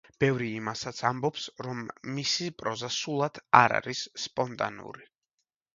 ბევრი იმასაც ამბობს, რომ მისი პროზა სულად არ არის სპონტანური.